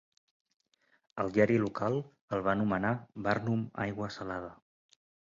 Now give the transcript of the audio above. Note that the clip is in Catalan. El diari local el va anomenar "Barnum aigua salada".